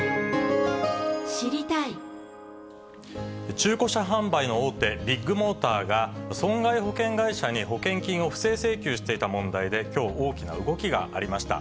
中古車販売の大手、ビッグモーターが、損害保険会社に保険金を不正請求していた問題で、きょう大きな動きがありました。